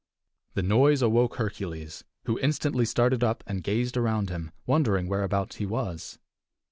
The noise awoke Hercules, who instantly started up and gazed around him, wondering whereabouts he was.